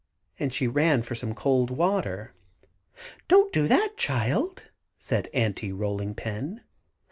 and she ran for some cold water. "Don't do that, child," said Aunty Rolling Pin.